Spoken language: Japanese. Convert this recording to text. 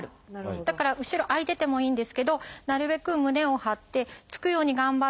だから後ろ空いててもいいんですけどなるべく胸を張ってつくように頑張って。